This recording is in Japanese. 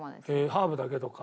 ハーブだけとか。